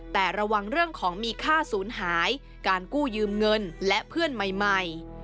แต่ระวังเรื่องของมีค่าศูนย์หายการกู้ยืมเงินและเพื่อนใหม่